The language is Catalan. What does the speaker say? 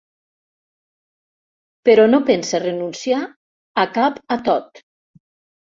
Però no pensa renunciar a cap atot.